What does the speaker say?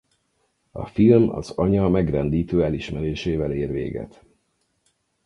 A film az anya megrendítő elismerésével ér véget.